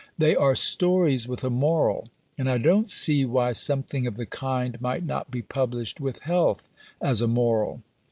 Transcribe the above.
They are stories with a moral, and I don't see why something of the kind might not be published with health as a moral."